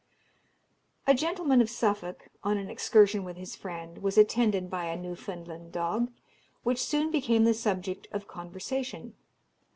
A gentleman of Suffolk, on an excursion with his friend, was attended by a Newfoundland dog, which soon became the subject of conversation.